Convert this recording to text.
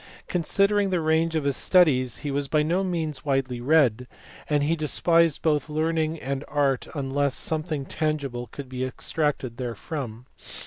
Considering the range of his studies he was by no means widely read, and he de spised both learning and art unless something tangible could be extracted therefrom.